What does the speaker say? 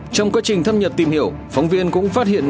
trong quá trình thâm nhập tìm hiểu phóng viên cũng phát hiện